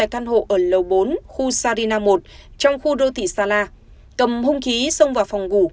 căn hộ ở lầu bốn khu sarina một trong khu đô thị sala cầm hung khí xông vào phòng ngủ